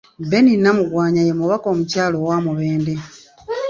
Benny Namugwanya, ye mubaka omukyala owa Mubende.